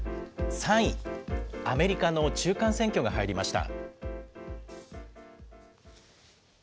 ３位、アメリカの中間選挙が入りました。